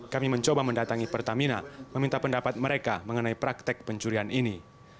kami mencoba mendatangi pertamina meminta pendapat mereka mengenai praktek pencurian ini